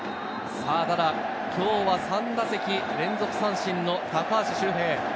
今日は３打席連続三振の高橋周平。